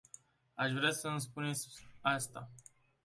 Aș vrea să îmi spuneți asta.